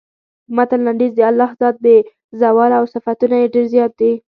د متن لنډیز د الله ذات بې زواله او صفتونه یې ډېر زیات دي.